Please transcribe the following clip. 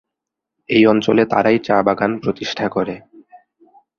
এই অঞ্চলে তারাই চা বাগান প্রতিষ্ঠা করে।